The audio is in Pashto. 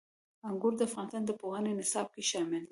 انګور د افغانستان د پوهنې نصاب کې شامل دي.